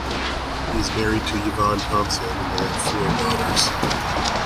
He is married to Yvonne Thomson and they have four daughters.